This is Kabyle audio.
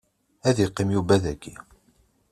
Ad iqqim Yuba dagi.